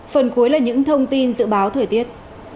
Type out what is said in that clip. phần cuối là những thông tin dự báo thời tiết